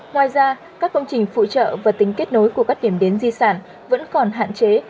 ngoài ra các công trình phụ trợ và tính kết nối của các điểm đến di sản vẫn còn hạn chế